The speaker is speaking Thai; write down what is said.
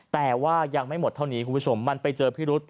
แต่ว่ายังไม่หมดเท่านี้คุณผู้ชมมันไปเจอพิรุษ